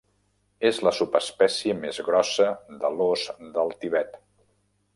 És la subespècie més grossa de l'ós del Tibet.